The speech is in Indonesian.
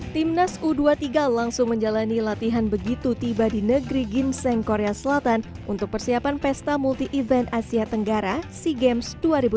timnas u dua puluh tiga langsung menjalani latihan begitu tiba di negeri gimseng korea selatan untuk persiapan pesta multi event asia tenggara sea games dua ribu dua puluh